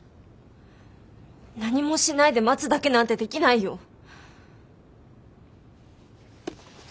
何もしないで待つだけなんてできないよ。